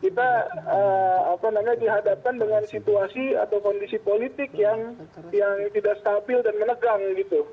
kita dihadapkan dengan situasi atau kondisi politik yang tidak stabil dan menegang gitu